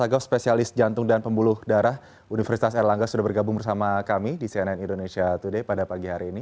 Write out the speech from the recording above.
pak agos spesialis jantung dan pembuluh darah universitas erlangga sudah bergabung bersama kami di cnn indonesia today pada pagi hari ini